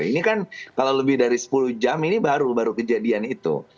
ini kan kalau lebih dari sepuluh jam ini baru baru kejadian itu